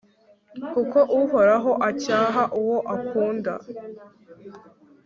kuko uhoraho acyaha uwo akunda